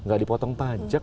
gak dipotong pajak